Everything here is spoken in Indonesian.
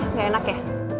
enggak enak ya